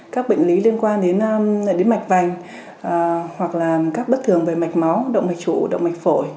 các bệnh lý liên quan đến mạch vành hoặc là các bất thường về mạch máu động mạch chủ động mạch phổi